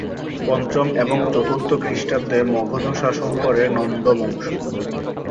পঞ্চম এবং চতুর্থ খ্রীষ্টাব্দে মগধ শাসন করে নন্দ বংশ।